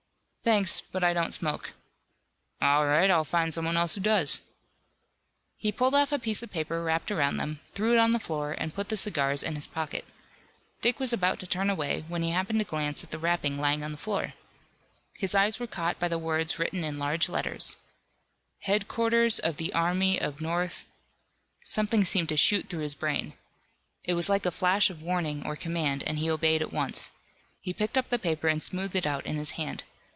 "Thanks, but I don't smoke." "All right, I'll find someone else who does." He pulled off a piece of paper wrapped around them, threw it on the floor and put the cigars in his pocket. Dick was about to turn away when he happened to glance at the wrapping lying on the floor. His eyes were caught by the words written in large letters: HEADQUARTERS OF THE ARMY OF NORTH Something seemed to shoot through his brain. It was like a flash of warning or command and he obeyed at once. He picked up the paper and smoothed it out in his hand.